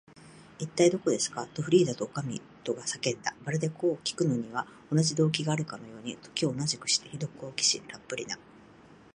「いったい、どこですか？」と、フリーダとおかみとが叫んだ。まるで、こうきくのには同じ動機があるかのように、時を同じくして、ひどく好奇心たっぷりな